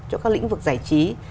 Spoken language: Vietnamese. cho các lĩnh vực giải trí